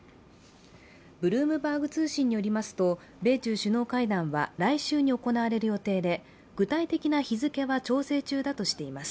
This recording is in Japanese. ブルームバーグ通信によりますと米中首脳会談は来週に行われる予定で具体的な日付は調整中だとしています。